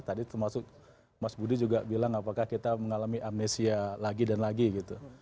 tadi termasuk mas budi juga bilang apakah kita mengalami amnesia lagi dan lagi gitu